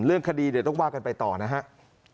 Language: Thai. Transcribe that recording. เรื่องคดีเดี๋ยวต้องว่ากันไปต่อนะครับ